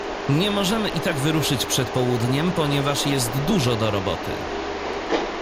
Nie możemy i tak wyruszyć przed południem, ponieważ jest dużo do roboty.